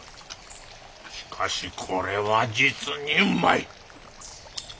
しかしこれは実にうまい！